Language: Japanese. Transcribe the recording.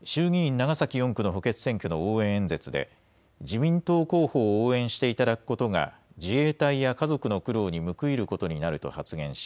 長崎４区の補欠選挙の応援演説で自民党候補を応援していただくことが自衛隊や家族の苦労に報いることになると発言し